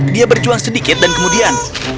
dia berjuang sedikit dan kemudian